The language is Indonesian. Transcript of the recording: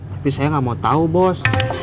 tapi saya gak mau tau bos